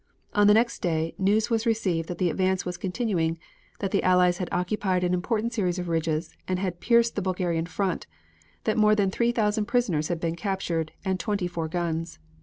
On the next day news was received that the advance was continuing; that the Allies had occupied an important series of ridges, and had pierced the Bulgarian front; that more than three thousand prisoners had been captured and twenty four guns.